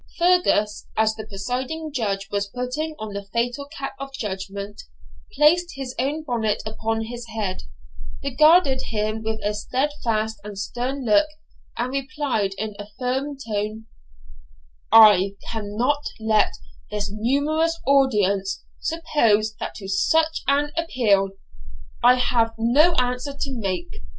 Fergus, as the presiding Judge was putting on the fatal cap of judgment, placed his own bonnet upon his head, regarded him with a steadfast and stern look, and replied in a firm voice, 'I cannot let this numerous audience suppose that to such an appeal I have no answer to make.